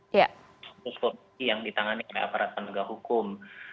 kasus kondisi yang ditangani oleh aparat penduga hukum